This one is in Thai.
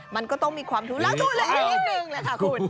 มันก็ต้องมีความทุลักษณ์ตรงนั้นแค่นิดหนึ่งแหละคุณ